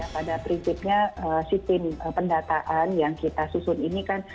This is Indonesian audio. pada prinsipnya sistem pendataan yang kita susun ini kan